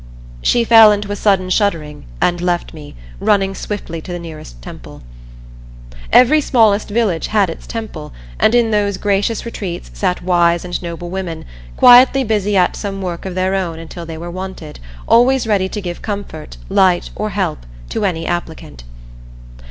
She fell into a sudden shuddering and left me, running swiftly to the nearest temple. Every smallest village had its temple, and in those gracious retreats sat wise and noble women, quietly busy at some work of their own until they were wanted, always ready to give comfort, light, or help, to any applicant.